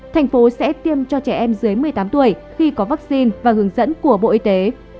thành phố sẽ tiêm cho trẻ em dưới một mươi tám tuổi khi có vaccine và hướng dẫn của bộ y tế